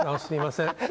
すいません。